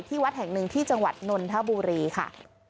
วัดแห่งหนึ่งที่จังหวัดนนทบุรีค่ะ